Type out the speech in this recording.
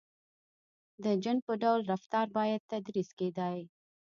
• د جن په ډول رفتار باید تدریس کېدای.